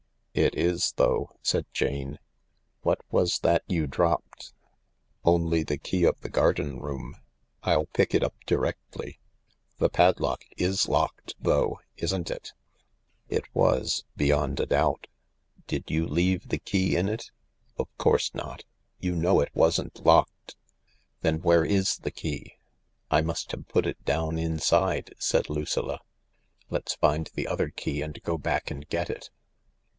"It is, though," said Jane. "What was that you dropped ?"" Only the key of the garden room. I'll pick it up directly. The padlock is locked, though, isn't it ?" It was — beyond a doubt. " Did you leave the key in it ?" "Of course not. You know it wasn't locked." " Then where is the key ?"" I must have put it down inside," said Lucilla. " Let's find the other key and go back and get it."